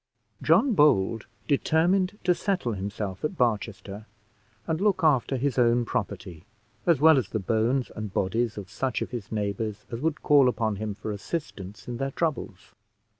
John Bold determined to settle himself at Barchester, and look after his own property, as well as the bones and bodies of such of his neighbours as would call upon him for assistance in their troubles.